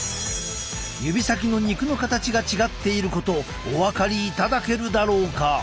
指先の肉の形が違っていることをお分かりいただけるだろうか？